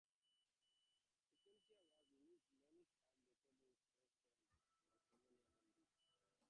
Sequentia has released many fine recordings, most of them on Deutsche Harmonia Mundi.